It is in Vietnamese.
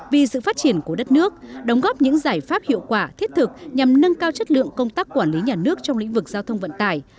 vì sự phát triển của đất nước đóng góp những giải pháp hiệu quả thiết thực nhằm nâng cao chất lượng công tác quản lý nhà nước trong lĩnh vực giao thông vận tải